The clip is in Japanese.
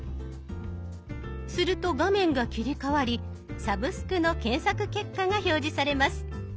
すると画面が切り替わり「サブスク」の検索結果が表示されます。